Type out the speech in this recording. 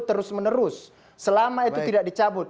terus menerus selama itu tidak dicabut